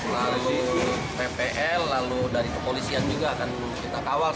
lalu ppl lalu dari kepolisian juga akan kita kawal